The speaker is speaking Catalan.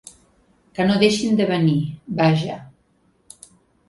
Que no deixin de venir, vaja!